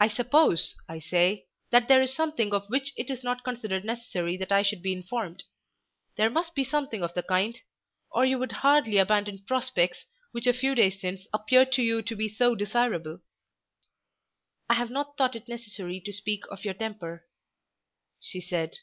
"I suppose, I say, that there is something of which it is not considered necessary that I should be informed. There must be something of the kind, or you would hardly abandon prospects which a few days since appeared to you to be so desirable." "I have not thought it necessary to speak of your temper," she said.